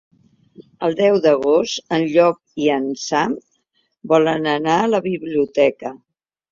El deu d'agost en Llop i en Sam volen anar a la biblioteca.